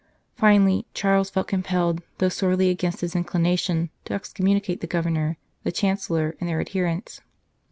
Finally, Charles felt com pelled, though sorely against his inclination, to excommunicate the Governor, the Chancellor, and their adherents.